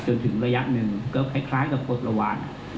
จนถึงระยะหนึ่งก็คล้ายกับบริษุทธิ์ประวัติ